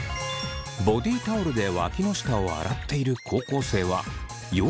ボディータオルでわきの下を洗っている高校生は４３．５％。